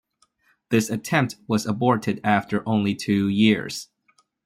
This attempt was aborted after only two years.